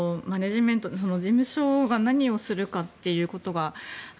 事務所が何をするかっていうことが。